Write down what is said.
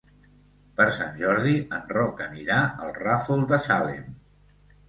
Per Sant Jordi en Roc anirà al Ràfol de Salem.